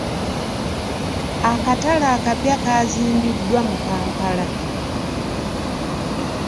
Akatale akapya kaazimbiddwa mu Kampala.